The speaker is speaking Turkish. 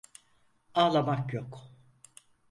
Ağlamak yok.